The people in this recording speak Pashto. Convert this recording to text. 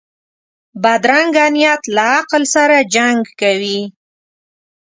بدرنګه نیت له عقل سره جنګ کوي